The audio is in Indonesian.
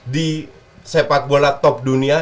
di sepak bola top dunia